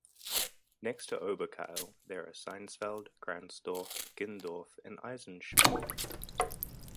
Next to Oberkail there are Seinsfeld, Gransdorf, Gindorf and Eisenschmitt.